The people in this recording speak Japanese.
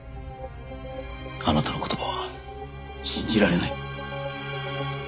あなたの言葉は信じられない！